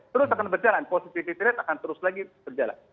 terus akan berjalan positivity rate akan terus lagi berjalan